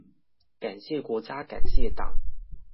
感謝國家感謝黨